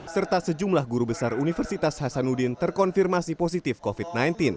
serta sejumlah guru besar universitas hasanuddin terkonfirmasi positif covid sembilan belas